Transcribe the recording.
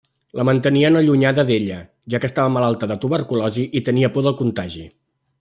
La mantenien allunyada d’ella, ja que estava malalta de tuberculosi i tenien por del contagi.